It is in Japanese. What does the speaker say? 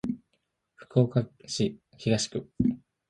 福岡市東区